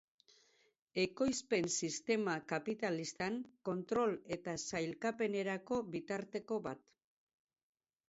Ekoizpen sistema kapitalistan, kontrol eta sailkapenerako bitarteko bat.